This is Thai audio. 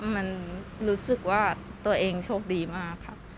มันรู้สึกว่าตัวเองโชคดีมากค่ะ